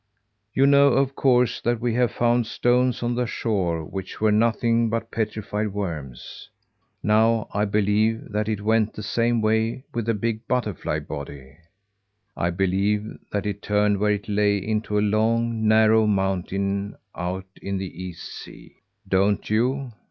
You know, of course, that we have found stones on the shore which were nothing but petrified worms. Now I believe that it went the same way with the big butterfly body. I believe that it turned where it lay into a long, narrow mountain out in the East sea. Don't you?"